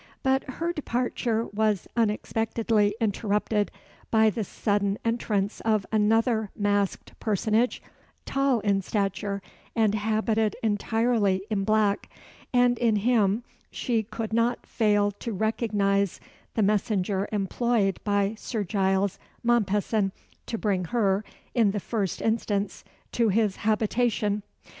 But her departure was unexpectedly interrupted by the sudden entrance of another masked personage, tall in stature, and habited entirely in black; and in him she could not fail to recognise the messenger employed by Sir Giles Mompesson to bring her, in the first instance, to his habitation.